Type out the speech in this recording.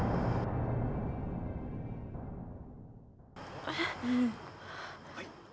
เฮ้ย